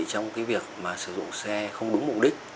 trong việc sử dụng xe không đúng mục đích